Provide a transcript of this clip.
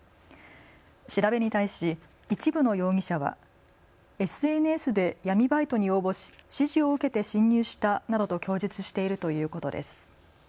調べに対し一部の容疑者はＳＮＳで闇バイトに応募し指示を受けて侵入したなどと供述しているということです。